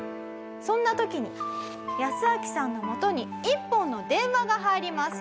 そんな時にヤスアキさんのもとに一本の電話が入ります。